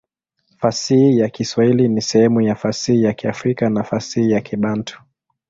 Fasihi ya Kiswahili ni sehemu ya fasihi ya Kiafrika na fasihi ya Kibantu.